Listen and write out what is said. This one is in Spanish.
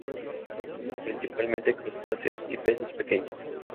Come principalmente crustáceos y peces pequeños.